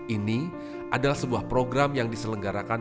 ini adalah sebuah program yang diselenggarakan